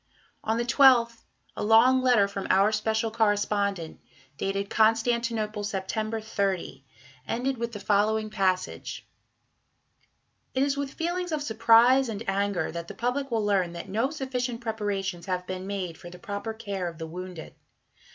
On the 12th a long letter from "Our Special Correspondent," dated "Constantinople, September 30," ended with the following passage: It is with feelings of surprise and anger that the public will learn that no sufficient preparations have been made for the proper care of the wounded.